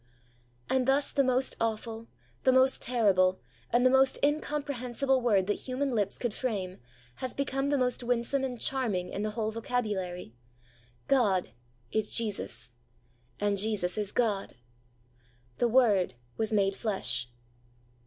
And thus the most awful, the most terrible, and the most incomprehensible word that human lips could frame has become the most winsome and charming in the whole vocabulary. GOD is JESUS, and JESUS is GOD! 'The Word was made flesh.'